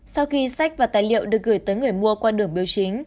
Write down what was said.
sau khi sách và tài liệu được gửi tới người mua qua đường biểu chính